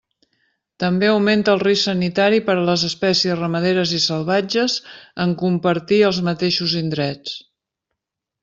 També augmenta el risc sanitari per a les espècies ramaderes i salvatges en compartir els mateixos indrets.